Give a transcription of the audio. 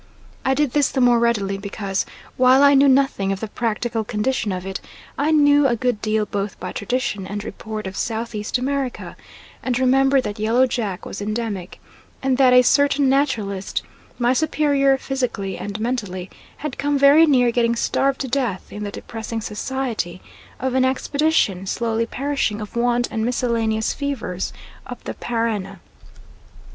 I did this the more readily because while I knew nothing of the practical condition of it, I knew a good deal both by tradition and report of South East America, and remembered that Yellow Jack was endemic, and that a certain naturalist, my superior physically and mentally, had come very near getting starved to death in the depressing society of an expedition slowly perishing of want and miscellaneous fevers up the Parana.